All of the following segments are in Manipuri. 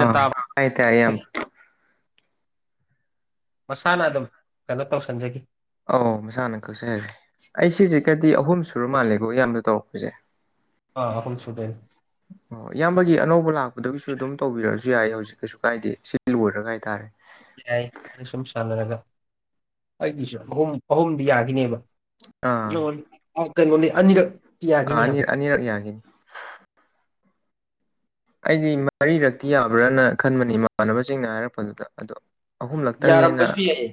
ꯑ ꯇꯥꯕ ꯑꯩ ꯇꯥꯏꯌꯦꯌꯥꯝ ꯃꯁꯥꯅ ꯑꯗꯨꯝ ꯀꯩꯅꯣ ꯇꯧꯁꯟꯖꯒꯤ ꯑꯧ ꯃꯁꯥꯅ ꯀꯛꯆꯩ ꯍꯥꯏꯔꯦ ꯑꯩ ꯁꯤꯁꯦꯒꯗꯤ ꯑꯍꯨꯝ ꯁꯨꯔ ꯃꯥꯜꯂꯦꯀꯣ ꯏꯌꯥꯝꯕꯗ ꯇꯧꯔꯛꯄꯁꯦ ꯑ ꯑꯍꯨꯝ ꯁꯨꯗꯣꯏꯅꯦ [inaudible] ꯑꯣ ꯏꯌꯥꯝꯕꯒꯤ ꯑꯅꯧꯕ ꯂꯥꯛꯄꯗꯒꯤꯁꯨ ꯑꯗꯨꯝ ꯇꯧꯕꯤꯔꯛꯑꯁꯨ ꯌꯥꯏ ꯍꯧꯖꯤꯛ ꯀꯩꯁꯨ ꯀꯥꯏꯗꯦ ꯁꯤ ꯂꯣꯏꯔꯒ ꯍꯥꯏꯇꯥꯔꯦ ꯌꯥꯏ ꯃꯥ ꯁꯨꯝ ꯁꯥꯟꯅꯔꯒ ꯑꯩꯒꯤꯁꯨ ꯑꯍꯨꯝ ꯑꯍꯨꯝꯗꯤ ꯌꯥꯒꯤꯅꯦꯕ ꯑꯥ ꯑꯣ ꯀꯩꯅꯣꯅꯦ ꯑꯅꯤꯔꯛ ꯑꯥ ꯌꯥꯈꯤꯅꯤ ꯑꯅꯤ ꯍꯥꯏꯕ ꯑꯅꯤꯔꯛ ꯌꯥꯒꯤꯅꯤ ꯑꯩꯗꯤ ꯃꯔꯤꯔꯛꯇꯤ ꯌꯥꯕ꯭ꯔꯅ ꯈꯟꯕꯅꯤ ꯏꯃꯥꯟꯅꯕꯁꯤꯡꯅ ꯍꯥꯏꯔꯛꯄꯗꯨꯗ ꯑꯗꯣ ꯑꯍꯨꯝꯂꯛꯇꯪꯅꯦꯅ ꯌꯥꯔꯝꯕꯁꯨ ꯌꯥꯏꯌꯦ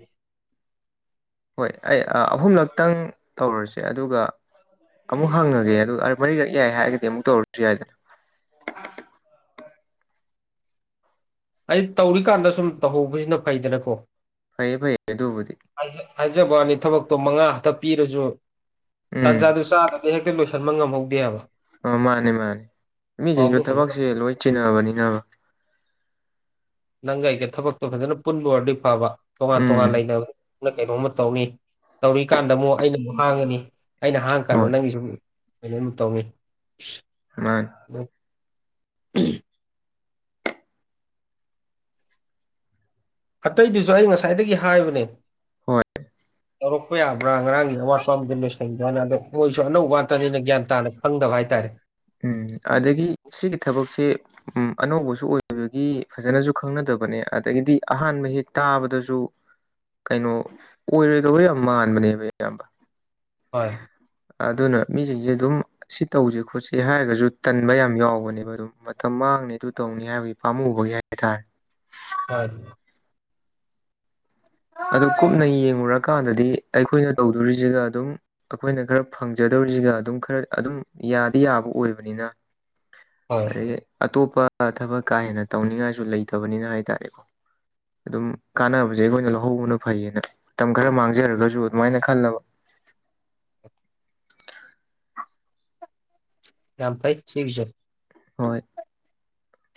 ꯍꯣꯏ ꯑꯩ ꯑꯥ ꯑꯍꯨꯝꯂꯛꯇꯪ ꯇꯧꯔꯁꯦ ꯑꯗꯨꯒ ꯑꯃꯨꯛ ꯍꯪꯉꯒꯦ ꯑꯗꯨ ꯃꯔꯤꯔꯛ ꯌꯥꯏ ꯍꯥꯏꯔꯒꯗꯤ ꯑꯃꯨꯛ ꯇꯧꯔꯁꯨ ꯌꯥꯏꯗꯅ ꯑꯩ ꯇꯧꯔꯤꯀꯥꯟꯗ ꯁꯨꯝ ꯇꯧꯍꯧꯕꯁꯤꯅ ꯐꯩꯗꯅꯀꯣ ꯐꯩꯌꯦ ꯐꯩꯌꯦ ꯑꯗꯨꯕꯨꯗꯤ ꯍꯥꯏꯖꯕꯋꯅꯤ ꯊꯕꯛꯇꯣ ꯃꯉꯥ ꯈꯛꯇ ꯄꯤꯔꯁꯨ ꯎꯝ ꯇꯥꯟꯖꯥꯗꯨ ꯆꯥꯗꯗꯤ ꯍꯦꯛꯇ ꯂꯣꯏꯁꯤꯟ ꯀꯟꯕ ꯉꯝꯍꯧꯗꯦꯕ ꯑ ꯃꯥꯅꯦ ꯃꯥꯅꯦ ꯃꯤꯁꯤꯡꯁꯨ ꯐꯖꯅ ꯊꯕꯛꯁꯦ ꯂꯣꯏ ꯆꯤꯟꯅꯕꯅꯤꯅꯕ [inaudible] ꯅꯪꯒ ꯑꯩꯒ ꯊꯕꯛꯇꯣ ꯐꯖꯅ ꯄꯨꯟꯕ ꯑꯣꯏꯔꯗꯤ ꯐꯕ ꯇꯣꯉꯥꯟ ꯇꯣꯉꯥꯟ ꯎꯝ ꯂꯩꯅꯕ ꯅꯪ ꯀꯩꯅꯣꯝꯃ ꯇꯧꯅꯤ ꯇꯧꯔꯤꯀꯥꯟꯗ ꯑꯃꯨꯛ ꯑꯩꯅ ꯑꯃꯨꯛ ꯍꯥꯡꯉꯅꯤ ꯑꯩꯅ ꯍꯥꯡꯉ ꯀꯥꯟꯗ ꯍꯣꯏ ꯅꯪꯒꯤ ꯁꯨ ꯑꯃꯨꯛ ꯑꯗꯨꯝ ꯇꯧꯅꯤ ꯃꯥꯅꯤ ꯎꯝ ꯑꯇꯩꯗꯨꯁꯨ ꯑꯩ ꯉꯁꯥꯏꯗꯒꯤ ꯍꯥꯏꯕꯅꯦ ꯍꯣꯏ ꯇꯧꯔꯛꯄ ꯌꯥꯕ꯭ꯔꯥ ꯉꯔꯥꯡꯒꯤ ꯑꯋꯥꯠ ꯑꯃꯗꯣ ꯂꯣꯏꯁꯟꯗꯅ ꯑꯗꯣ ꯃꯣꯏꯁꯨ ꯑꯅꯧꯕ ꯋꯥꯇꯅꯤꯅ ꯒ꯭ꯌꯥꯟ ꯇꯥꯅ ꯈꯪꯗꯕ ꯍꯥꯏꯇꯥꯔꯦ ꯎꯝ ꯑꯗꯒꯤ ꯁꯤꯒꯤ ꯊꯕꯛꯁꯦ ꯎꯝ ꯑꯅꯧꯕꯁꯨ ꯑꯣꯏꯕꯒꯤ ꯐꯖꯅꯁꯨ ꯈꯪꯅꯗꯕꯅꯦ ꯑꯗꯒꯤꯗꯤ ꯑꯍꯥꯟꯕ ꯍꯦꯛ ꯇꯥꯕꯗꯁꯨ ꯀꯩꯅꯣ ꯑꯣꯏꯔꯣꯏꯗꯕ ꯌꯥꯝ ꯃꯥꯟꯕꯅꯦꯕ ꯏꯌꯥꯝꯕ ꯍꯣꯏ ꯑꯗꯨꯅ ꯃꯤꯁꯤꯡꯁꯦ ꯑꯗꯨꯝ ꯁꯤ ꯇꯧꯁꯦ ꯈꯣꯠꯁꯦ ꯍꯥꯏꯔꯒꯁꯨ ꯇꯟꯕ ꯌꯥꯝ ꯌꯥꯎꯕꯅꯦꯕ ꯑꯗꯨꯝ ꯃꯇꯝ ꯃꯥꯡ ꯅꯪꯅ ꯑꯗꯨ ꯇꯧꯅꯤ ꯍꯥꯏꯕꯒꯤ ꯄꯥꯝꯃꯨꯕꯒꯤ ꯍꯥꯏꯇꯥꯔꯦ [unintelligible] ꯑꯗꯨꯛ ꯀꯨꯞꯅ ꯌꯦꯡꯂꯡꯉꯨꯔꯀꯥꯟꯗꯗꯤ ꯑꯩꯈꯣꯏꯅ ꯇꯧꯗꯣꯔꯤꯁꯤꯒ ꯑꯗꯨꯝ ꯑꯩꯈꯣꯏꯅ ꯈꯔ ꯐꯪꯖꯗꯧ ꯁꯤꯒ ꯑꯗꯨꯝ ꯈꯔ ꯑꯗꯨꯝ ꯌꯥꯗꯤ ꯌꯥꯕ ꯑꯣꯏꯕꯅꯤꯅ ꯍꯣꯏ ꯑꯗꯒꯤ ꯑꯇꯣꯞ ꯄ ꯊꯕꯛ ꯀꯥ ꯍꯦꯟꯅ ꯇꯧꯅꯤꯡꯉꯥꯏꯁꯨ ꯂꯩꯇꯕꯅꯤꯅ ꯍꯥꯏ ꯇꯥꯔꯦꯀꯣ ꯑꯗꯨꯝ ꯀꯥꯟꯅꯕꯁꯦ ꯑꯩꯈꯣꯏꯅ ꯂꯧ ꯂꯧꯍꯧꯕꯅ ꯐꯩꯌꯦꯅ ꯃꯇꯝ ꯈꯔ ꯃꯥꯡꯖꯔꯒꯁꯨ ꯑꯗꯨꯃꯥꯏꯅ ꯈꯜꯂꯕ [unintelligible] ꯌꯥꯝ ꯐꯥꯏ ꯁꯤꯒꯤꯁꯨ ꯍꯣꯏ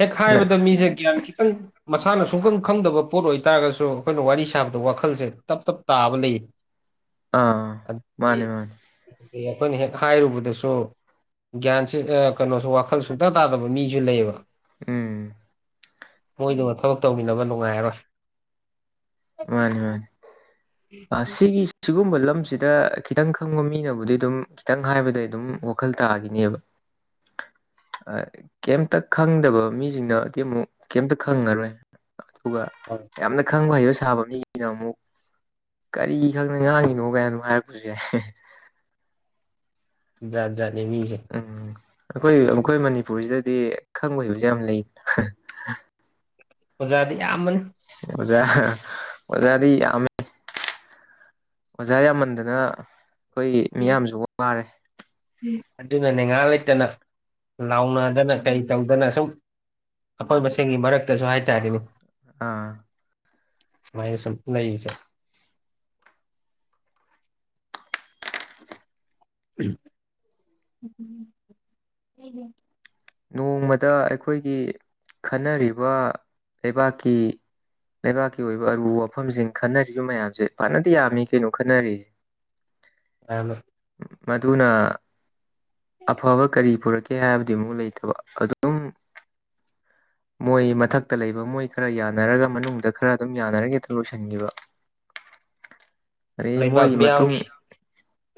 ꯍꯦꯛ ꯍꯥꯏꯕꯗ ꯃꯤꯁꯦ ꯒ꯭ꯌꯥꯟ ꯈꯤꯇꯪ ꯃꯥꯅ ꯁꯨꯈꯪ ꯈꯪꯗꯕ ꯄꯣꯠ ꯑꯣꯏꯇꯥꯥꯔꯒꯁꯨ ꯑꯩꯈꯣꯏꯅ ꯋꯥꯔꯤ ꯁꯥꯕꯗ ꯋꯥꯈꯜꯁꯦ ꯇꯞ ꯇꯞ ꯇꯥꯕ ꯂꯩꯌꯦ ꯑꯥ ꯃꯅꯦ ꯃꯅꯦ ꯑꯦ ꯑꯩꯈꯣꯏꯅ ꯍꯦꯛ ꯈꯥꯏꯔꯨꯕꯗꯁꯨ ꯒ꯭ꯌꯥꯟꯁꯦ ꯑ ꯀꯅꯣꯁꯨ ꯋꯥꯈꯜ ꯁꯨꯡꯛꯇꯥ ꯇꯥꯗꯕ ꯃꯤꯁꯨ ꯂꯩꯌꯦꯕ ꯎꯝ ꯃꯣꯏꯗꯨꯃ ꯊꯕꯛ ꯇꯧꯃꯤꯟꯅꯕ ꯅꯨꯡꯉꯥꯏꯔꯔꯣꯏ ꯃꯥꯅꯤ ꯃꯥꯅꯤ ꯑ ꯁꯤꯒꯤ ꯁꯤꯒꯨꯝꯕ ꯔꯝꯁꯤꯗ ꯈꯤꯇꯪ ꯈꯪꯕ ꯃꯤꯅꯕꯨꯗꯤ ꯗꯨꯝ ꯈꯤꯇꯪ ꯍꯥꯏꯕꯗ ꯗꯨꯝ ꯋꯥꯈꯜ ꯇꯥꯒꯤꯅꯤꯕ [inaudible] ꯑꯥ ꯀꯩꯝꯇ ꯈꯪꯗꯕ ꯃꯤꯁꯤꯡꯅꯗꯤ ꯑꯃꯨꯛ ꯀꯩꯝꯇ ꯈꯪꯉꯔꯣꯏ ꯑꯗꯨꯒ ꯌꯥꯝꯅ ꯈꯪꯕ ꯍꯩꯕ ꯁꯥꯕ ꯃꯤꯅ ꯑꯃꯨꯛ ꯀꯔꯤ ꯈꯪꯗꯅ ꯉꯥꯡꯉꯤꯅꯣ ꯀꯥꯏꯟ ꯗꯨꯝ ꯍꯥꯏꯔꯛꯄꯁꯨ ꯌꯥꯏ ꯖꯥꯠ ꯖꯥꯠꯅꯤ ꯃꯤꯁꯦ ꯑꯈꯣꯏ ꯑꯩꯈꯣꯏ ꯃꯅꯤꯄꯨꯔꯁꯤꯗꯗꯤ ꯈꯪꯕ ꯍꯩꯕꯁꯦ ꯌꯥꯝ ꯂꯩꯅ ꯑꯣꯖꯥꯗꯤ ꯌꯥꯝꯕꯅꯤ ꯑꯣꯖꯥ ꯑꯣꯖꯥꯗꯤ ꯌꯝꯃꯦ ꯑꯣꯖꯥ ꯌꯥꯝꯃꯟꯗꯅ ꯈꯣꯏ ꯃꯤꯌꯥꯝꯁꯨ ꯋꯥꯔꯦ ꯑꯗꯨꯅꯅꯦ ꯉꯍꯥꯛ ꯂꯩꯇꯅ ꯂꯥꯎꯅꯗꯅ ꯀꯩ ꯇꯧꯗꯅ ꯁꯨꯝ ꯑꯩꯈꯣꯏ ꯃꯁꯦꯟꯒꯤ ꯃꯔꯛꯇꯁꯨ ꯍꯥꯏꯇꯥꯔꯦꯅꯦ ꯑꯥ ꯁꯨꯃꯏꯅ ꯁꯨꯝ ꯂꯩꯕꯁꯦ [inaudible] ꯅꯣꯡꯃꯗ ꯑꯩꯈꯣꯏꯒꯤ ꯈꯟꯅꯔꯤꯕ ꯂꯩꯕꯥꯛꯀꯤ ꯂꯩꯕꯥꯛꯀꯤ ꯑꯣꯏꯕ ꯑꯔꯨꯕ ꯋꯥꯐꯝꯁꯤꯡ ꯈꯟꯅꯔꯤꯕ ꯃꯌꯥꯝꯁꯦ ꯐꯅꯗꯤ ꯌꯥꯝꯃꯤ ꯀꯩꯅꯣ ꯈꯟꯅꯔꯤ [inaudible] [unintelligible] ꯃꯗꯨꯅ ꯑꯐꯕ ꯀꯔꯤ ꯄꯨꯔꯛꯀꯦ ꯍꯥꯏꯕꯗꯤ ꯑꯃꯨꯛ ꯂꯩꯇ ꯕ ꯑꯗꯨꯝ ꯃꯣꯏ ꯃꯊꯛꯇ ꯂꯩꯕ ꯃꯣꯏ ꯈꯔ ꯌꯥꯅꯔꯒ ꯃꯅꯨꯡꯗ ꯈꯔ ꯑꯗꯨꯝ ꯌꯥꯅꯔꯒ ꯍꯦꯛꯇ ꯂꯣꯏꯁꯟꯒꯤꯕ [inaudible] ꯂꯩꯕꯥꯛ ꯃꯤꯌꯥꯝꯒꯤ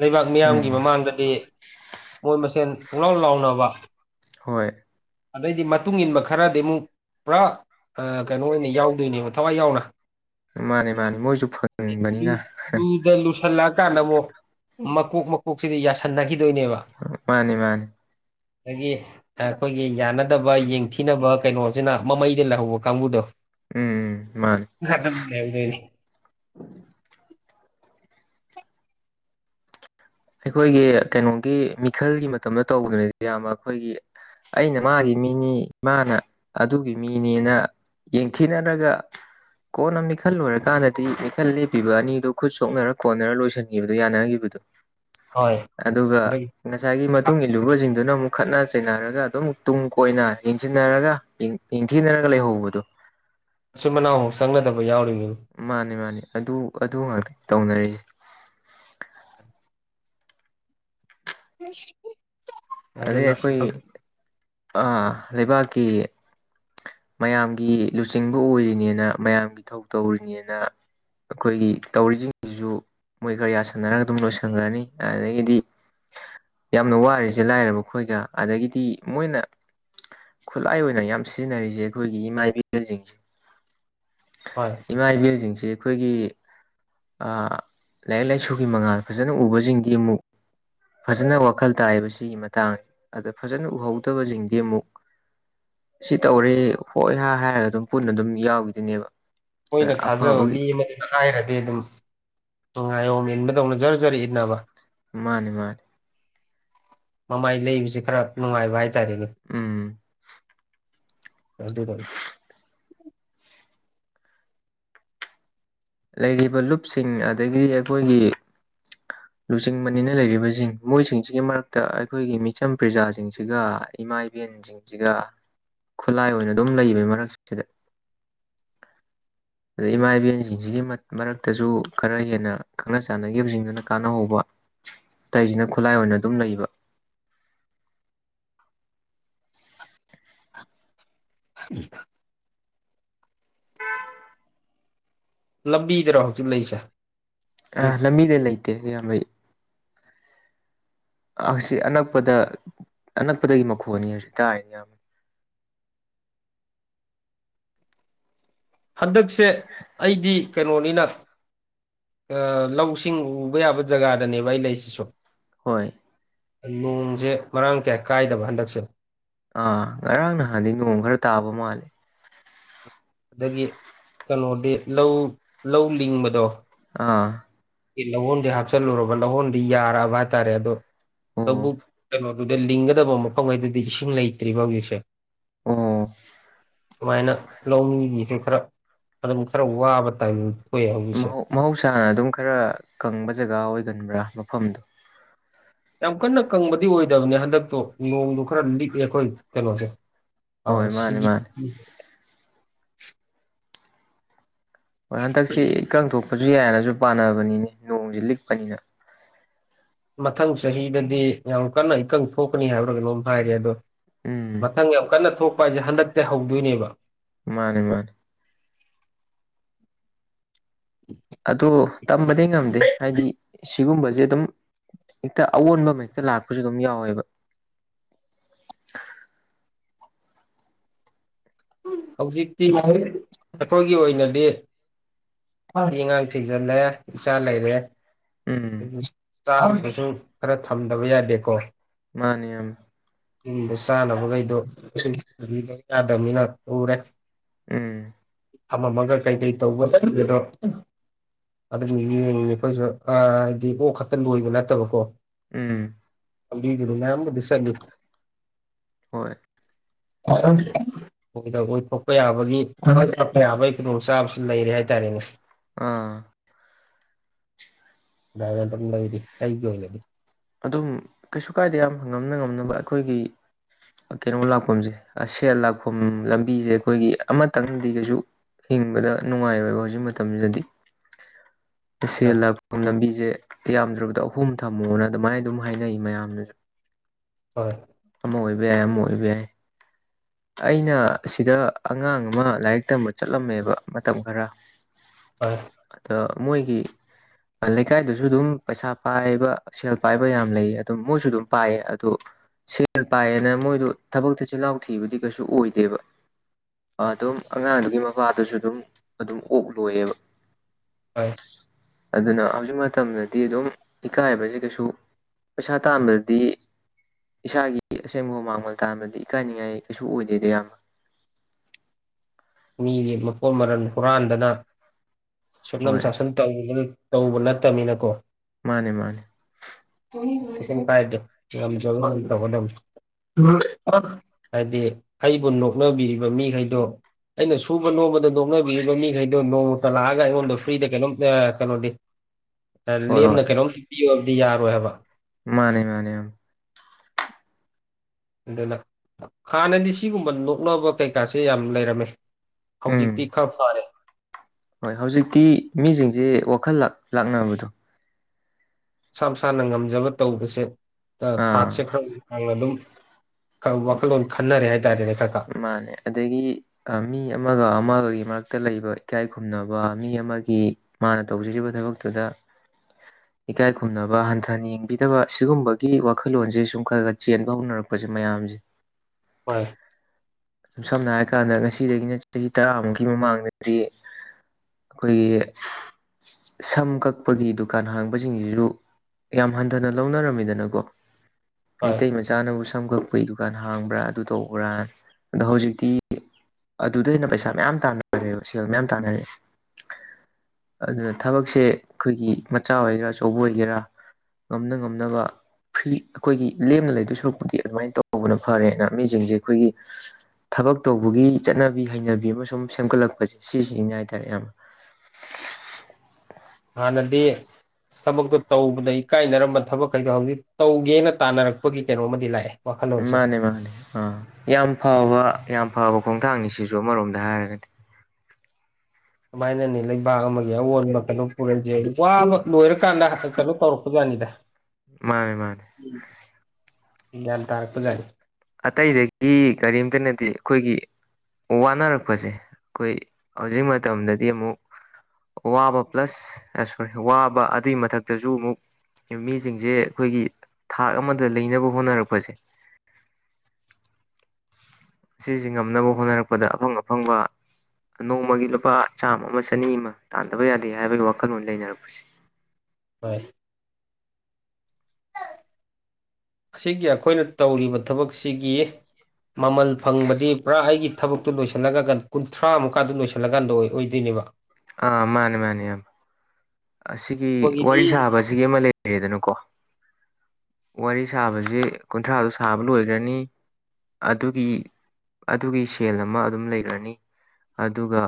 ꯂꯩꯕꯥꯛ ꯎꯝ ꯃꯤꯌꯥꯝꯒꯤ ꯃꯃꯥꯡꯗꯗꯤ ꯃꯣꯏ ꯃꯁꯦꯟ ꯄꯨꯡꯂꯥꯎ ꯂꯥꯎꯅꯕ ꯍꯣꯏ ꯑꯗꯩꯗꯤ ꯃꯇꯨꯡ ꯏꯟꯕ ꯈꯔꯗꯤ ꯑꯃꯨꯛ ꯄꯨꯔꯥ ꯑꯥ ꯀꯩꯅꯣ ꯑꯣꯏꯅ ꯌꯥꯎꯗꯣꯏꯅꯦꯕ ꯊꯋꯥꯏ ꯌꯥꯎꯅ ꯃꯥꯅꯦ ꯃꯥꯅꯦ ꯃꯣꯏꯁꯨ ꯂꯨ ꯐꯪꯕꯅꯤꯅ ꯂꯨꯗ ꯂꯨꯁꯜꯂꯛꯑꯀꯥꯟꯗ ꯑꯃꯨꯛ ꯃꯀꯣꯛ ꯃꯀꯣꯛꯁꯤꯗꯤ ꯌꯥꯁꯟꯅꯒꯤ ꯃꯥꯅꯤ ꯃꯥꯅꯤ ꯗꯒꯤ ꯑ ꯑꯈꯣꯏꯒꯤ ꯌꯥꯟꯅꯗꯕ ꯌꯦꯡꯊꯤꯅꯕ ꯀꯩꯅꯣꯁꯤꯅ ꯃꯃꯩꯗ ꯂꯩꯍꯧꯕ ꯀꯥꯡꯕꯨꯗꯣ ꯎꯝ ꯃꯥꯅꯦ [unintelligible] ꯑꯩꯈꯣꯏꯒꯤ ꯀꯩꯅꯣꯒꯤ ꯃꯤꯈꯜꯒꯤ ꯃꯇꯝꯗ ꯇꯧꯒ꯭ꯔꯦ ꯏꯌꯥꯝꯕ ꯑꯈꯣꯏꯒꯤ ꯑꯩꯅ ꯃꯥꯒꯤ ꯃꯤꯅꯤ ꯃꯥꯅ ꯑꯗꯨꯒꯤ ꯃꯤꯅꯦꯅ ꯌꯦꯡꯊꯤꯅꯔꯒ ꯀꯣꯟꯅ ꯃꯤꯈꯜ ꯂꯣꯏꯔꯀꯥꯟꯗꯗꯤ ꯃꯤꯈꯜ ꯂꯦꯞꯄꯤꯕ ꯑꯅꯤꯗꯨ ꯈꯨꯠ ꯁꯣꯛꯅꯔ ꯀꯣꯟꯅꯔꯒ ꯂꯣꯏꯁꯤꯟꯒꯤꯕꯗꯣ ꯌꯥꯅꯒꯤꯕ ꯍꯣꯏ ꯑꯗꯨꯒ ꯑꯗꯒꯤ ꯉꯁꯥꯏꯒꯤ ꯃꯇꯨꯡ ꯏꯜꯂꯨꯕꯁꯤꯡꯗꯨꯅ ꯑꯃꯨꯛ ꯈꯠꯅ ꯆꯩꯅꯔꯒ ꯑꯗꯨꯝ ꯇꯨꯡ ꯀꯣꯏꯅ ꯌꯦꯡꯁꯤꯟꯅꯔꯒ ꯌꯦꯡ ꯌꯦꯡꯊꯤꯅꯔꯒ ꯂꯩꯍꯧꯕꯗꯣ ꯃꯆꯤꯟ ꯃꯅꯥꯎꯕꯥꯎ ꯆꯪꯅꯗꯕ ꯌꯥꯎꯔꯤꯃꯤ ꯃꯥꯅꯤ ꯃꯥꯅꯤ ꯑꯗꯨ ꯑꯗꯨ ꯉꯥꯛꯇꯅꯤ ꯇꯧꯅꯔꯤꯁꯦ ꯑꯗꯨꯅ ꯑ ꯂꯩꯕꯛꯀꯤ ꯃꯌꯥꯝꯒꯤ ꯂꯨꯆꯤꯡꯕ ꯑꯣꯏꯔꯤꯅꯦꯅ ꯃꯌꯥꯝꯒꯤ ꯊꯧ ꯇꯧꯔꯤꯅꯦꯅ ꯑꯩꯈꯣꯏꯒꯤ ꯇꯧꯔꯤꯁꯤꯡꯁꯤꯁꯨ ꯃꯣꯏꯈꯔꯥ ꯌꯥ ꯁꯟꯅꯔꯒ ꯑꯗꯨꯝ ꯂꯣꯏꯁꯟꯈ꯭ꯔꯅꯤ ꯑꯗꯩꯗꯤ ꯌꯥꯝꯅ ꯋꯥꯔꯤꯁ ꯖꯦ ꯂꯥꯏꯔꯕ ꯑꯩꯈꯣꯏꯒ ꯑꯗꯒꯤꯗꯤ ꯃꯣꯏꯅ ꯈꯨꯠꯂꯥꯏ ꯑꯣꯏꯅ ꯌꯥꯝ ꯁꯤꯖꯤꯟꯅꯔꯤꯁꯦ ꯑꯩꯈꯣꯏꯒꯤ ꯏꯃꯥ ꯏꯕꯦꯜꯁꯤꯡꯁꯦ ꯍꯣꯏ ꯏꯃꯥ ꯏꯕꯦꯜꯁꯤꯡꯁꯤ ꯑꯩꯈꯣꯏꯒꯤ ꯑꯥ ꯂꯥꯏꯔꯤꯛ ꯂꯥꯏꯁꯨꯒꯤ ꯃꯉꯥꯜ ꯐꯖꯅ ꯎꯕꯁꯤꯡꯗꯤ ꯑꯃꯨꯛ ꯐꯖꯅ ꯋꯥꯈꯜ ꯇꯥꯏꯕꯁꯤꯒꯤ ꯃꯇꯥꯡꯁꯦ ꯑꯗ ꯐꯖꯅ ꯎꯍꯧꯗꯕꯁꯤꯡꯗꯤ ꯑꯃꯨꯛ ꯁꯤ ꯇꯧꯔꯦ ꯍꯣꯏ ꯍꯥꯏ ꯍꯥꯏꯔꯒ ꯑꯗꯨꯝ ꯄꯨꯟꯅ ꯑꯗꯨꯝ ꯌꯥꯎꯈꯤꯗꯣꯏꯅꯦꯕ ꯃꯣꯏꯅ ꯊꯥꯖꯕ ꯑꯐꯕꯒꯤ ꯃꯤ ꯑꯃꯗꯨꯅ ꯍꯥꯏꯔꯗꯤ ꯑꯗꯨꯝ ꯉꯥꯏꯌꯣꯝ ꯏꯟꯕꯗꯧꯅ ꯖꯔ ꯖꯔ ꯏꯟꯅꯕ ꯃꯥꯅꯤ ꯃꯥꯅꯤ ꯃꯃꯥꯏ ꯂꯩꯕꯁꯦ ꯈꯔ ꯅꯨꯡꯉꯥꯏꯕ ꯍꯥꯏꯇꯥꯔꯦꯅꯦ ꯎꯝ ꯑꯗꯨꯗ ꯂꯩꯔꯤꯕ ꯂꯨꯞꯁꯤꯡ ꯑꯗꯒꯤ ꯑꯩꯈꯣꯏꯒꯤ ꯂꯨꯆꯤꯡꯕꯅꯦꯅ ꯂꯩꯔꯤꯕꯁꯤꯡ ꯃꯣꯏꯁꯤꯡꯁꯤꯒꯤ ꯃꯔꯛꯇ ꯑꯩꯈꯣꯏꯒꯤ ꯃꯤꯆꯝ ꯄ꯭ꯔꯖꯥꯁꯤꯡꯁꯤꯒ ꯏꯃꯥ ꯏꯕꯦꯟꯁꯤꯡꯁꯤꯒ ꯈꯨꯂꯥꯏ ꯑꯣꯏꯅ ꯑꯗꯨꯝ ꯂꯩꯕꯅꯦ ꯃꯔꯛꯁꯤꯗ ꯑꯗꯩ ꯏꯃꯥ ꯏꯕꯦꯟꯖ ꯒꯤ ꯃꯔꯛꯇꯁꯨ ꯈꯔ ꯍꯦꯟꯅ ꯈꯪꯅ ꯆꯥꯟꯅꯈꯤꯕꯁꯤꯡꯗꯨꯅ ꯀꯥꯟꯅꯍꯧꯕ ꯑꯇꯩꯁꯤꯅ ꯈꯨꯠꯂꯥꯏ ꯑꯣꯏꯅ ꯑꯗꯨꯝ ꯂꯩꯕ ꯎ [inaudible] ꯂꯝꯕꯤꯗꯔꯣ ꯍꯧꯖꯤꯛ ꯂꯩꯁꯦ ꯑ ꯂꯝꯕꯤꯗ ꯂꯩꯇꯦ ꯏꯌꯥꯝꯕ ꯑꯩ ꯑꯁꯤ ꯑꯅꯛꯄꯗ ꯑꯅꯛꯄꯗꯒꯤ ꯃꯈꯣꯟꯅꯤ ꯍꯧꯖꯤꯛ ꯇꯥꯔꯤ ꯃꯌꯥꯝ ꯍꯟꯗꯛꯁꯦ ꯑꯩꯗꯤ ꯀꯩꯅꯣꯅꯤꯅ ꯑꯥ ꯂꯧꯁꯤꯡ ꯎꯕ ꯌꯥꯕ ꯖꯒꯥꯗꯅꯦꯕ ꯑꯩꯅ ꯂꯩꯁꯤꯁꯨ ꯍꯣꯏ ꯅꯣꯡꯁꯦ ꯃꯔꯥꯡ ꯀꯌꯥ ꯀꯥꯏꯗꯕ ꯍꯟꯗꯛꯁꯦ ꯑꯥ ꯉꯔꯥꯡ ꯅꯍꯥꯟꯗꯤ ꯅꯣꯡ ꯈꯔ ꯇꯥꯕ ꯃꯥꯜꯂꯦ ꯑꯗꯒꯤ ꯀꯩꯅꯣꯗꯤ ꯂꯧ ꯂꯧ ꯂꯤꯡꯕꯗꯣ ꯑꯥ ꯂꯧꯍꯣꯟꯗꯤ ꯍꯥꯞꯆꯤꯂꯨꯔꯕ ꯂꯍꯣꯟꯗꯤ ꯌꯥꯔꯛꯑꯕ ꯍꯥꯏꯇꯔꯦ ꯑꯗꯣ ꯑꯣ ꯂꯧꯕꯨꯛ ꯀꯩꯅꯣꯗꯨꯗ ꯂꯤꯡꯒꯗꯕ ꯃꯐꯝꯈꯩꯗꯨꯗ ꯏꯁꯤꯡ ꯂꯩꯇ꯭ꯔꯤꯕ ꯍꯧꯖꯤꯛꯁꯦ ꯑꯣ ꯁꯨꯃꯥꯏꯅ ꯂꯧꯃꯤꯒꯤꯁꯨ ꯈꯔ ꯑꯗꯨꯝ ꯈꯔ ꯋꯥꯕ ꯇꯥꯏꯃꯤꯡ ꯊꯣꯛꯑꯦ ꯍꯧꯖꯤꯛꯁꯦ ꯃꯍꯧꯁꯥꯅ ꯑꯗꯨꯝ ꯈꯔ ꯀꯪꯕ ꯖꯒꯥ ꯑꯣꯏꯒꯟꯕ꯭ꯔꯥ ꯃꯐꯝꯗꯣ ꯌꯥꯝ ꯀꯟꯅ ꯀꯪꯕꯗꯤ ꯑꯣꯏꯗꯕꯅꯦ ꯍꯟꯗꯛꯇꯣ ꯅꯣꯡꯗꯣ ꯈꯔ ꯂꯤꯛꯑꯦ ꯑꯩꯈꯣꯏ ꯀꯩꯅꯣꯁꯦ ꯑ ꯍꯣꯏ ꯃꯥꯅꯦ ꯁꯤꯒꯤ ꯃꯥꯅꯦ ꯍꯣꯏ ꯍꯟꯗꯛꯁꯤ ꯏꯀꯪ ꯊꯣꯛꯄꯁꯨ ꯌꯥꯏꯅꯁꯨ ꯄꯥꯅꯕꯅꯤꯅꯦ ꯅꯣꯡꯁꯤ ꯂꯤꯛꯄꯅꯤꯅ ꯃꯊꯪ ꯆꯍꯤꯗꯗꯤ ꯌꯥꯝ ꯀꯟꯅ ꯏꯀꯪ ꯊꯣꯛꯀꯅꯤ ꯍꯥꯏꯕ꯭ꯔ ꯀꯩꯅꯣꯝ ꯍꯥꯏꯔꯦ ꯑꯗꯣ ꯎꯝ ꯃꯊꯪ ꯌꯥꯝ ꯀꯟꯅ ꯊꯣꯛꯄ ꯍꯥꯏꯁꯦ ꯍꯟꯗꯛꯇꯩ ꯍꯧꯗꯣꯏꯅꯦꯕ ꯃꯥꯅꯦ ꯃꯥꯅꯦ ꯑꯗꯣ ꯇꯝꯕꯗꯤ ꯉꯝꯗꯦ ꯍꯥꯏꯗꯤ ꯁꯤꯒꯨꯝꯕꯁꯦ ꯑꯗꯨꯝ ꯍꯦꯛꯇ ꯑꯑꯣꯟꯕ ꯑꯃ ꯍꯦꯛꯇ ꯂꯥꯛꯄꯁꯨ ꯑꯗꯨꯝ ꯌꯥꯎꯋꯦꯕ [unintelligible] ꯍꯧꯖꯤꯛꯇꯤ ꯑꯩꯈꯣꯏꯒꯤ ꯑꯣꯏꯅꯗꯤ ꯅꯨꯞꯤ ꯏꯉꯥꯡ ꯊꯤꯖꯤꯜꯂꯦ ꯏꯆꯥ ꯂꯩꯔꯦ ꯎꯝ ꯆꯥꯅꯕꯁꯨ ꯈꯔ ꯊꯝꯗꯕ ꯌꯥꯗꯦꯀꯣ ꯃꯥꯅꯤ ꯏꯌꯥꯝ ꯌꯨꯝꯗꯣ ꯆꯥꯅꯕꯈꯩꯗꯣ [unintelligible] ꯌꯥꯗꯕꯅꯤꯅ ꯎꯔꯦ ꯎꯝ ꯑꯃ ꯑꯃꯒ ꯀꯩ ꯀꯩ ꯇꯧꯕ [unintelligible] ꯑꯗꯨꯅꯦ [unintelligible] ꯑꯩꯈꯣꯏꯁꯨ ꯑꯗꯤ ꯑꯣꯛ ꯈꯛꯇ ꯂꯣꯏꯕ ꯅꯠꯇꯕꯀꯣ ꯎꯝ ꯂꯝꯕꯤꯗꯨꯗ ꯃꯌꯥꯝꯕꯨꯗꯤ ꯆꯠꯂꯤ ꯍꯣꯏ ꯑꯝ [unintelligible] ꯑꯣꯏꯊꯣꯛꯄ ꯌꯥꯕꯒꯤ ꯐꯒꯠꯛꯄ [unintelligible] ꯌꯥꯕꯒꯤ ꯈꯨꯗꯣꯡꯆꯥꯥꯕꯁꯨ ꯂꯩꯔꯦ ꯍꯥꯏꯇꯥꯔꯦꯅꯦ ꯑꯥ ꯂꯥꯔꯦꯟꯗꯝ ꯂꯩꯔꯤ ꯑꯩꯒꯤ ꯑꯣꯏꯅꯗꯤ ꯑꯗꯨꯝ ꯀꯩꯁꯨ ꯀꯥꯏꯗꯦ ꯏꯌꯥꯝꯕ ꯉꯝꯅ ꯉꯝꯅꯕ ꯑꯩꯈꯣꯏꯒꯤ ꯀꯩꯅꯣ ꯂꯥꯛꯐꯝꯁꯦ ꯁꯦꯜ ꯂꯥꯛꯐꯝ ꯂꯝꯕꯤꯁꯦ ꯑꯩꯈꯣꯏꯒꯤ ꯑꯃꯇꯪꯗꯤ ꯀꯩꯁꯨ ꯍꯤꯡꯕꯗ ꯅꯨꯡꯉꯥꯏꯣꯏꯕ ꯍꯧꯖꯤꯛ ꯃꯇꯝꯁꯤꯗꯗꯤ ꯑ ꯁꯦꯜ ꯂꯥꯛꯐꯝ ꯂꯝꯕꯤꯁꯦ ꯌꯥꯝꯗ꯭ꯔꯕꯗ ꯑꯍꯨꯝ ꯊꯝꯃꯣꯅ ꯑꯗꯨꯃꯥꯏꯅ ꯑꯗꯨꯝ ꯍꯥꯏꯅꯩ ꯃꯌꯥꯝꯅꯁꯨ ꯍꯣꯏ ꯑꯃ ꯑꯣꯏꯕ ꯌꯥꯏ ꯑꯃ ꯑꯣꯏꯕ ꯌꯥꯏ ꯑꯩꯅ ꯁꯤꯗ ꯑꯉꯥꯡ ꯑꯃ ꯂꯥꯏꯔꯤꯛ ꯇꯝꯕ ꯆꯠꯂꯝꯃꯦꯕ ꯃꯇꯝ ꯈꯔ ꯍꯣꯏ ꯑꯗ ꯃꯣꯏꯒꯤ ꯂꯩꯀꯥꯏꯗꯁꯨ ꯑꯗꯨꯝ ꯄꯩꯁꯥ ꯄꯥꯏꯕ ꯁꯦꯜ ꯄꯥꯏꯕ ꯌꯥꯝ ꯂꯩ ꯑꯗꯨꯝ ꯃꯣꯏꯁꯨ ꯑꯗꯨꯝ ꯄꯥꯏꯌꯦ ꯑꯗꯨ ꯁꯦꯜ ꯄꯥꯏꯌꯦꯅ ꯃꯣꯏꯗꯣ ꯊꯕꯛꯇ ꯆꯤꯜꯍꯥꯎ ꯊꯤꯕꯗꯤ ꯀꯩꯁꯨ ꯑꯣꯏꯗꯦꯕ ꯑꯗꯨꯝ ꯑꯉꯥꯡꯗꯨꯒꯤ ꯃꯄꯥꯗꯨꯁꯨ ꯑꯗꯨꯝ ꯑꯗꯨꯝ ꯑꯣꯛ ꯂꯣꯏꯌꯦꯕ ꯑꯥ ꯑꯗꯨꯅ ꯍꯧꯖꯤꯛ ꯃꯇꯝꯗꯗꯤ ꯑꯗꯨꯝ ꯏꯀꯥꯏꯕꯖꯤ ꯀꯩꯁꯨ ꯄꯩꯁꯥ ꯇꯥꯟꯕꯗꯗꯤ ꯏꯁꯥꯒꯤ ꯑꯁꯦꯡꯕ ꯍꯨꯃꯥꯡ ꯃꯟ ꯇꯥꯟꯕꯗꯤ ꯏꯀꯥꯏꯅꯤꯡꯉꯥꯏ ꯀꯩꯁꯨ ꯑꯣꯏꯗꯦꯗ ꯏꯌꯥꯝ ꯃꯤꯒꯤ ꯃꯄꯣꯠ ꯃꯔꯜ ꯍꯨꯔꯥꯟꯗꯅ ꯁꯨꯞꯅꯝ ꯍꯣꯏ ꯁꯥꯁꯟ ꯇꯧꯗꯅ ꯇꯧꯕ ꯅꯠꯇꯕꯅꯤꯅꯀꯣ ꯃꯥꯅꯦ ꯃꯥꯅꯦ ꯀꯩꯝ ꯀꯥꯏꯗꯣ ꯉꯝꯖꯕꯗꯣ ꯗꯨꯝ ꯇꯧꯒꯗꯧꯅꯤ ꯍꯥꯏꯗꯤ ꯑꯩꯕꯨ ꯅꯣꯛꯅꯕꯤꯔꯤꯕ ꯃꯤꯈꯩꯗꯣ ꯑꯩꯅ ꯁꯨꯕ ꯅꯣꯃꯕꯗ ꯅꯣꯛꯅꯕꯤꯔꯤꯕ ꯃꯤꯈꯩꯗꯣ ꯅꯣꯡꯃꯇ ꯂꯥꯛꯑꯒ ꯑꯩꯉꯣꯟꯗ ꯐ꯭ꯔꯤꯗ ꯀꯩꯅꯣꯝ ꯑꯥ ꯀꯩꯅꯣꯗꯤ ꯍꯣꯏ ꯂꯦꯝꯅ ꯍꯣꯏ ꯀꯩꯅꯣꯝꯇ ꯄꯤꯌꯣ ꯍꯥꯏꯕꯗꯤ ꯌꯥꯔꯣꯏ ꯍꯥꯏꯕ ꯃꯥꯅꯦ ꯃꯥꯅꯦ ꯑꯝ ꯑꯗꯨꯅ ꯍꯥꯟꯅꯗꯤ ꯁꯤꯒꯨꯝꯕ ꯅꯣꯛꯅꯕ ꯀꯩꯀꯥꯁꯦ ꯌꯥꯝ ꯂꯩꯔꯝꯃꯦ ꯎꯝ ꯍꯧꯖꯤꯛꯇꯤ ꯈꯔ ꯐꯔꯦ ꯍꯣꯏ ꯍꯧꯖꯤꯛꯇꯤ ꯃꯤꯖꯤꯡꯖꯦ ꯋꯥꯈꯜ ꯂꯥꯛ ꯂꯥꯛꯅꯕꯗꯣ ꯃꯁꯥ ꯃꯁꯥꯅ ꯉꯝꯖꯕ ꯇꯧꯕꯁꯦ ꯑ ꯑꯥ ꯊꯥꯛꯁꯦ ꯈꯔꯥ ꯉꯟꯅ ꯑꯗꯨꯝ ꯐꯕ ꯋꯥꯈꯜꯂꯣꯟ ꯈꯟꯅꯔꯦ ꯍꯥꯏ ꯃꯥꯅꯦ ꯑꯗꯒꯤ ꯃꯤ ꯑꯃꯒ ꯑꯃꯒꯒꯤ ꯃꯔꯛꯇ ꯇ ꯂꯩꯕ ꯏꯀꯥꯏ ꯈꯨꯝꯅꯕ ꯃꯤ ꯑꯃꯒꯤ ꯃꯥꯅ ꯇꯧꯖꯔꯤꯕ ꯊꯕꯛꯇꯨꯗ ꯏꯀꯥꯏ ꯈꯨꯝꯅꯕ ꯍꯟꯊꯅ ꯌꯦꯡꯕꯤꯗꯕ ꯁꯤꯒꯨꯝꯕꯒꯤ ꯋꯥꯈꯜꯂꯣꯟꯁꯦ ꯁꯨꯝ ꯈꯔ ꯈꯔ ꯆꯦꯟꯕ ꯍꯧꯅꯔꯛꯄ ꯃꯌꯥꯝꯖꯤ ꯍꯣꯏ ꯁꯝꯅ ꯍꯥꯏꯔ ꯀꯥꯟꯗ ꯉꯁꯤꯗꯒꯤꯅ ꯆꯍꯤ ꯇꯔꯥꯃꯨꯛꯀꯤ ꯃꯃꯥꯡꯗꯗꯤ ꯑꯩꯈꯣꯏꯒꯤ ꯁꯝ ꯀꯛꯄꯒꯤ ꯗꯨꯀꯥꯟ ꯍꯥꯡꯕꯁꯤꯡꯖꯤꯖꯨ ꯌꯥꯝ ꯍꯟꯊꯅ ꯂꯧꯅꯔꯝꯃꯤꯗꯅꯀꯣ ꯍꯣꯏ ꯃꯩꯇꯩ ꯃꯆꯥꯅꯕꯨ ꯁꯝ ꯀꯛꯄꯒꯤ ꯗꯨꯀꯥꯟ ꯍꯥꯡꯕ꯭ꯔꯥ ꯑꯗꯨ ꯇꯧꯕ꯭ꯔꯥꯅ ꯑꯗꯣ ꯍꯧꯖꯤꯛꯇꯤ ꯑꯗꯨꯗꯩꯅ ꯄꯩꯁꯥ ꯃꯌꯥꯝ ꯇꯥꯟꯅꯔꯦꯕ ꯁꯦꯜ ꯃꯌꯥꯝ ꯇꯥꯟꯅꯔꯛꯑꯦ ꯑꯗꯨꯅ ꯊꯕꯛꯁꯦ ꯑꯩꯈꯣꯏꯒꯤ ꯃꯆꯥ ꯑꯣꯏꯒꯦꯔꯥ ꯑꯆꯧꯕ ꯑꯣꯏꯒꯦꯔꯥ ꯉꯝꯅ ꯉꯝꯅꯕ ꯐ꯭ꯔꯤ ꯑꯩꯈꯣꯏꯒꯤ ꯂꯦꯝꯅ ꯂꯩꯗꯣꯏ ꯁꯔꯨꯛꯄꯨꯗꯤ ꯑꯗꯨꯃꯥꯏꯅ ꯇꯧꯕꯅ ꯐꯔꯦꯅ ꯃꯤꯁꯤꯡꯖꯦ ꯑꯩꯈꯣꯏꯒꯤ ꯊꯕꯛ ꯇꯧꯕꯒꯤ ꯆꯠꯅꯕꯤ ꯍꯩꯅꯕꯤ ꯑꯃ ꯁꯨꯝ ꯁꯦꯝꯒꯠꯂꯛꯄꯁꯦ ꯁꯤꯁꯤꯒꯤꯅꯦ ꯍꯥꯏ ꯇꯥꯔꯦ ꯏꯌꯥꯝꯕ [unintelligible] ꯍꯥꯟꯅꯗꯤ ꯊꯕꯛꯇꯣ ꯇꯧꯕꯗ ꯏꯀꯥꯏꯅꯔꯝꯕ ꯊꯕꯛꯈꯩꯗꯣ ꯍꯧꯖꯤꯛ ꯇꯧꯒꯦꯅ ꯇꯥꯟꯅꯔꯛꯄꯒꯤ ꯀꯩꯅꯣꯝꯃꯗꯤ ꯂꯥꯛꯑꯦ ꯋꯥꯈꯜꯂꯣꯟꯁꯦ ꯃꯥꯅꯦ ꯃꯥꯅꯦ ꯑ ꯌꯥꯝ ꯐꯕ ꯌꯥꯝ ꯐꯕ ꯈꯣꯡꯊꯥꯡꯅꯤ ꯁꯤꯁꯨ ꯑꯃꯔꯣꯝꯗ ꯍꯥꯏꯔꯒꯗꯤ ꯁꯨꯃꯥꯏꯅꯅꯤ ꯂꯩꯕꯥꯛ ꯑꯃꯒꯤ ꯑꯑꯣꯟꯕ ꯀꯩꯅꯣ ꯄꯨꯔꯛꯏꯁꯦ ꯋꯥꯕ ꯂꯣꯏꯔꯀꯥꯟꯗ ꯀꯩꯅꯣ ꯇꯧꯔꯛꯄꯖꯥꯠꯅꯤꯗ ꯃꯥꯅꯦ ꯃꯥꯅꯦ ꯒ꯭ꯌꯥꯟ ꯇꯔꯛꯄꯖꯥꯠꯅꯤ ꯑꯇꯩꯗꯒꯤ ꯀꯔꯤꯝꯇ ꯅꯠꯇꯦ ꯑꯩꯈꯣꯏꯒꯤ ꯋꯥꯅꯔꯛꯄꯁꯦ ꯑꯩꯈꯣꯏ ꯍꯧꯖꯤꯛ ꯃꯇꯝꯗꯗꯤ ꯑꯃꯨꯛ ꯋꯥꯕ ꯄ꯭ꯂꯁ ꯑ ꯁꯣꯔꯤ ꯋꯥꯕ ꯑꯗꯨꯏ ꯃꯊꯛꯇꯁꯨ ꯑꯃꯨꯛ ꯃꯤꯖꯤꯡꯖꯦ ꯑꯩꯈꯣꯏꯒꯤ ꯊꯥꯛ ꯑꯃꯗ ꯂꯩꯅꯕ ꯍꯣꯠꯅꯔꯛꯄꯖꯦ ꯁꯤꯖꯤ ꯉꯝꯅꯕ ꯍꯣꯠꯅꯔꯛꯄꯗ ꯑꯐꯪ ꯑꯐꯪꯕ ꯅꯣꯡꯃꯒꯤ ꯂꯨꯄꯥ ꯆꯥꯝꯃ ꯑꯃ ꯆꯅꯤ ꯑꯃ ꯇꯥꯟꯗꯕ ꯌꯥꯗꯦ ꯍꯥꯏꯕꯒꯤ ꯋꯥꯈꯜꯂꯣꯟ ꯂꯩꯅꯔꯛꯄꯁꯦ [inaudible] ꯍꯣꯏ ꯑꯁꯤꯒꯤ ꯑꯩꯈꯣꯏꯅ ꯇꯧꯔꯤꯕ ꯊꯕꯛꯁꯤꯒꯤ ꯃꯃꯜ ꯐꯪꯕꯗꯤ ꯄꯨꯔꯥ ꯑꯩꯒꯤ ꯊꯕꯛꯇꯨ ꯂꯣꯏꯁꯤꯜꯂꯒ ꯀꯨꯟꯊ꯭ꯔꯥ ꯃꯨꯛꯀꯥꯗꯨ ꯂꯣꯏꯁꯤꯜꯂꯀꯥꯟꯗ ꯑꯣꯏ ꯑꯣꯏꯗꯣꯏꯅꯦꯕ ꯑꯥ ꯃꯥꯅꯤ ꯃꯥꯅꯤ ꯌꯥꯝ ꯑꯁꯤꯒꯤ ꯋꯥꯔꯤ ꯅꯣꯡꯃꯒꯤꯗꯤ ꯁꯥꯕꯁꯤꯒꯤ ꯑꯃ ꯂꯩꯔꯦꯗꯅꯀꯣ ꯋꯥꯔꯤ ꯁꯥꯕꯁꯤ ꯀꯨꯟꯊ꯭ꯔꯥꯗꯣ ꯁꯥꯕ ꯂꯣꯏꯒ꯭ꯔꯅꯤ ꯑꯗꯨꯒꯤ ꯑꯗꯨꯒꯤ ꯁꯦꯜ ꯑꯃ ꯑꯗꯨꯝ ꯂꯩꯒ꯭ꯔꯅꯤ ꯑꯗꯨꯒ